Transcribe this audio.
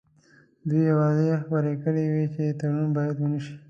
دوی اوازې خپرې کړې وې چې تړون باید ونه شي.